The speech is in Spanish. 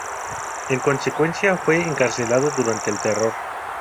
En consecuencia fue encarcelado durante el Terror.